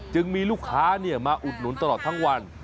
จึงมีลูกค้ามาอุดหนุนตลอดทั้งวัน